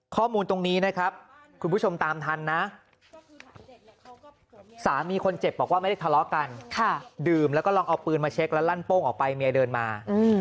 ข้อมูลตรงนี้นะครับคุณผู้ชมตามทันนะสามีคนเจ็บบอกว่าไม่ได้ทะเลาะกันดื่มแล้วก็ลองเอาปืนมาเช็คแล้วลั่นโป้งออกไปเมียเดินมา